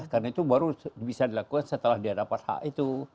karena itu baru bisa dilakukan setelah dia dapat hak itu